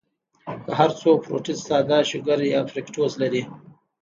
کۀ هر څو فروټس ساده شوګر يا فرکټوز لري